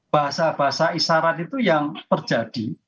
bahasa bahasa isyarat itu yang terjadi